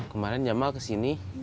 kemarin jamal kesini